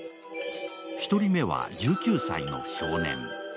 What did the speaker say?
１人目は１９歳の少年。